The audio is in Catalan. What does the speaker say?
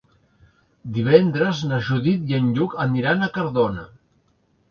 Divendres na Judit i en Lluc aniran a Cardona.